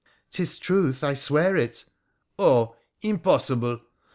' 'Tis truth, I swear it.' ' Oh, impossible